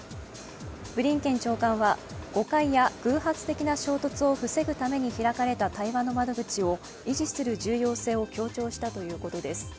ブリンケン長官は、誤解や偶発的な衝突を防ぐために開かれた対話の窓口を維持する重要性を強調したということです。